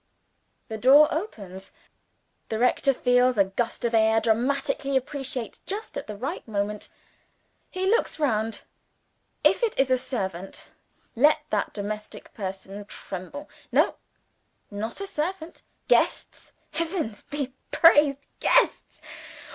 The door opens. The rector feels a gust of air, dramatically appropriate, just at the right moment. He looks round. If it is a servant, let that domestic person tremble! No not a servant. Guests heavens be praised, guests.